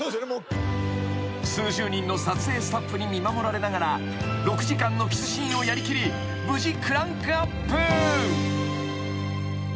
［数十人の撮影スタッフに見守られながら６時間のキスシーンをやりきり無事］